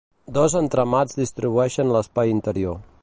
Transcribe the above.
Dos entramats distribueixen l'espai interior.